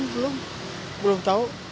belum belum tahu